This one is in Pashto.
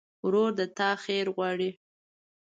ورور د تا خیر غواړي.